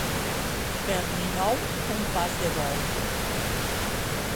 Per Ninou, un pas de bou.